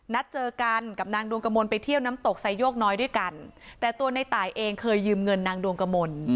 นัดเจอกันกับนางดวงกระมวลไปเที่ยวน้ำตกไซโยกน้อยด้วยกันแต่ตัวในตายเองเคยยืมเงินนางดวงกมล